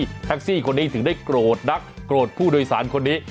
แท็กซี่คนนี้ถึงได้โกรธนักโกรธผู้โดยสารคนนี้